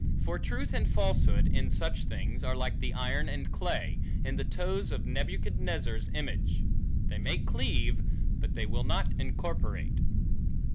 For truth and falsehood, in such things, are like the iron and clay, in the toes of Nebuchadnezzar's image; they may cleave, but they will not incorporate.